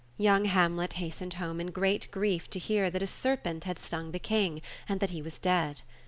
Young Hamlet hastened home in great grief to hear that a serpent had stung the King, and that he was dead.